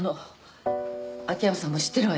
秋山さんも知ってるわよね？